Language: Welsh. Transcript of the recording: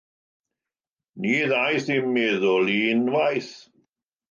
Ni ddaeth i'm meddwl i unwaith.